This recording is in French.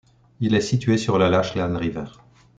Il est situé sur la Lachlan River.